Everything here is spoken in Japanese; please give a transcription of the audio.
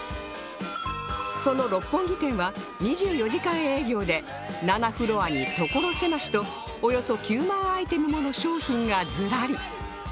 その六本木店は２４時間営業で７フロアに所狭しとおよそ９万アイテムもの商品がずらり